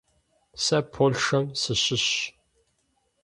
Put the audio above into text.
Сэ Полъшэм сыщыщщ.